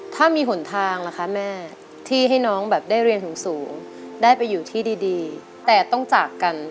ถ้ามีหนทางล่ะคะแม่ที่ให้น้องแบบได้เรียนสูงได้ไปอยู่ที่ดีแต่ต้องจากกัน